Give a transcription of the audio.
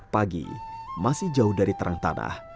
pagi masih jauh dari terang tanah